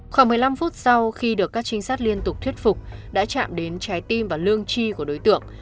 khoảng một mươi năm phút sau khi được các trinh sát liên tục thuyết phục đã chạm đến trái tim và lương chi của đối tượng